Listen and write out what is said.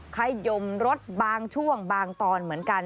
ขยมรถบางช่วงบางตอนเหมือนกัน